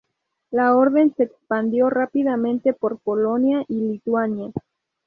La Orden se expandió rápidamente por Polonia y Lituania.